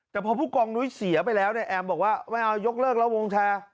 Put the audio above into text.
แต่พอผู้กองนุ้ยเสียไปแล้วเนี่ยแอมบอกว่าไม่เอายกเลิกแล้ววงแชร์